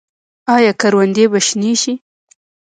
آیا کروندې به شنې شي؟